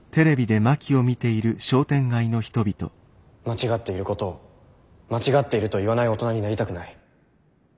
間違っていることを間違っていると言わない大人になりたくない。